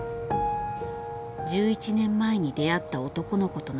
１１年前に出会った男の子との動画。